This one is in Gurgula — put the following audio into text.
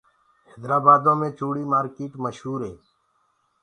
هيدرآ بآدو مي چوڙي مآرڪيٽ مشور هي۔